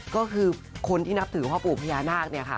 ก็คือคนที่นับถือพ่อปู่พญานาคเนี่ยค่ะ